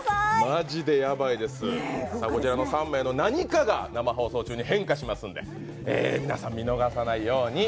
マジでやばいです、こちらの３名の何かが生放送中に変化しますんで、皆さん見逃さないように。